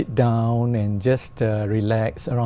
có nhiều chuyện xảy ra